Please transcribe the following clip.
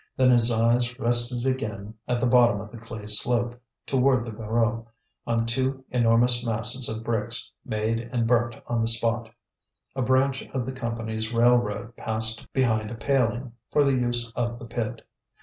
Then his eyes rested again at the bottom of the clay slope, towards the Voreux, on two enormous masses of bricks made and burnt on the spot. A branch of the Company's railroad passed behind a paling, for the use of the pit.